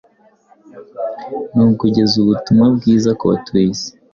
ni ukugeza ubutumwa bwiza ku batuye isi.